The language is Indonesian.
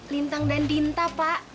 lintang dan dinta pak